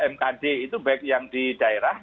mkd itu baik yang di daerah